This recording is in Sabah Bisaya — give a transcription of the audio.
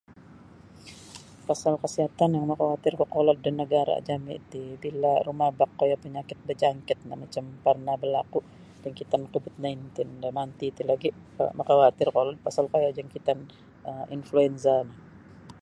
Pasal kesihatan yang makawatir kokolod da nagara' jami' ti bila rumabak koyo penyakit berjangkit no macam pernah berlaku' jangkitan Covid nine tenth. Damanti ti lagi' makawatir kolod pasal koyo jangkitan influenza no.